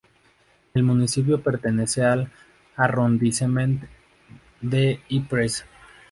El municipio pertenece al Arrondissement de Ypres.